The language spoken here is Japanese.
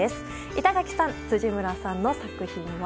板垣さん、辻村さんの作品は？